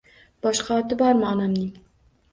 Boshqa oti bormi onamning?